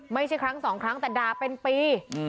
ไม่ใช่ครั้งสองครั้งแต่ด่าเป็นปี